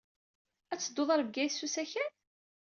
Ad teddud ɣer Bgayet s usakal?